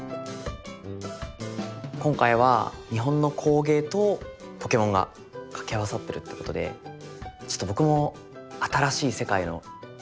今回は日本の工芸とポケモンが掛け合わさってるってことでちょっと僕も新しい世界の入り口にいるというか。